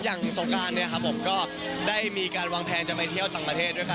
สงการเนี่ยครับผมก็ได้มีการวางแผนจะไปเที่ยวต่างประเทศด้วยกัน